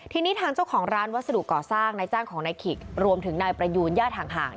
ทีนี้ทางเจ้าของร้านวัสดุก่อสร้างนายจ้างของนายขิกรวมถึงนายประยูนญาติห่าง